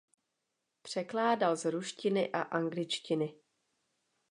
Překládal z ruštiny a angličtiny.